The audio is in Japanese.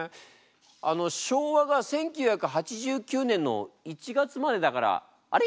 あの昭和が１９８９年の１月までだからあれ？